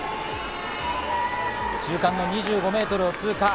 中間の２５ｍを通過。